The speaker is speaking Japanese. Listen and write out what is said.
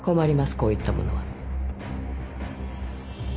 こういったものは